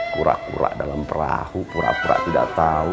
kurak kurak dalam perahu pura pura tidak tau